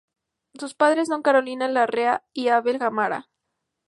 Sus padres son Carolina Larrea y Abel Gamarra.